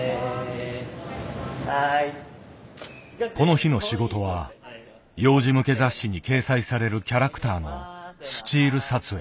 この日の仕事は幼児向け雑誌に掲載されるキャラクターのスチール撮影。